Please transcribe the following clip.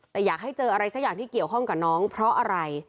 แต่อยากให้เจออะไรสักอย่างที่เกี่ยวข้องกับน้องเพราะอะไร